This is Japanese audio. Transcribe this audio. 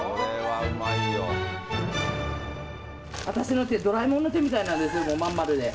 私の手、ドラえもんの手みたいなんです、真ん丸で。